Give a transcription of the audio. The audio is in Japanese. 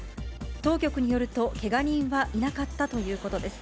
当局によると、けが人はいなかったということです。